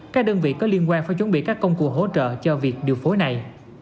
các đơn vị có liên quan phải chuẩn bị các công cụ hỗ trợ cho việc điều phối này